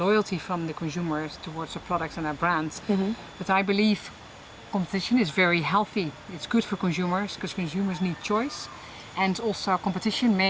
jadi itu berarti perusahaan memiliki lebih banyak pilihan